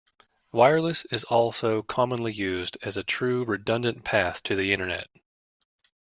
Wireless is also commonly used as a true redundant path to the Internet.